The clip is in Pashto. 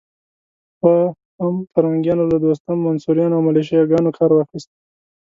پخوا هم پرنګیانو له دوستم، منصوریانو او ملیشه ګانو کار واخيست.